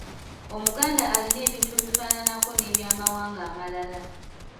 Omuganda alina ebintu ebifaananako n'eby'amawanga amalala.